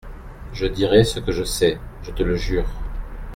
Je dirai ce que je sais ; je te le jure.